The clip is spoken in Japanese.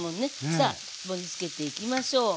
さあ盛りつけていきましょう。